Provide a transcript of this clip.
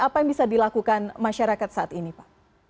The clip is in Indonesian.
apa yang bisa dilakukan masyarakat saat ini pak